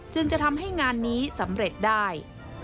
จึงจะทำให้งานนี้สำเร็จได้